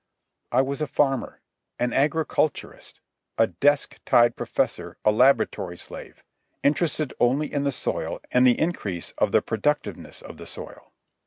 I was a farmer, an agriculturist, a desk tied professor, a laboratory slave, interested only in the soil and the increase of the productiveness of the soil.